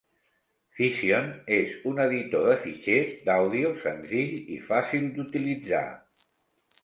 Fission és un editor de fitxers d'àudio senzill i fàcil d'utilitzar.